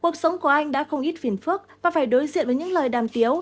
cuộc sống của anh đã không ít phiền phức và phải đối diện với những lời đàm tiếu